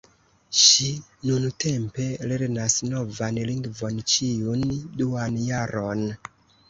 Ŝi nuntempe lernas novan lingvon ĉiun duan jaron.